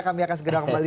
kami akan segera kembali